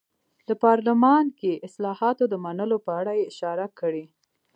د پارلمان کې د اصلاحاتو د منلو په اړه یې اشاره کړې.